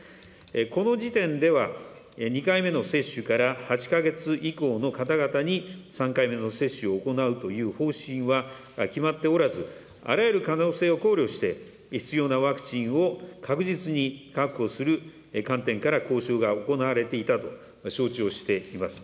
この時点では、２回目の接種から８か月以降の方々に、３回目の接種を行うという方針は決まっておらず、あらゆる可能性を考慮して、必要なワクチンを確実に確保する観点から、交渉が行われていたと承知をしています。